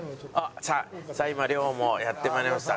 さあ今亮もやってまいりました。